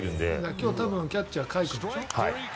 今日キャッチャー多分、甲斐君でしょ？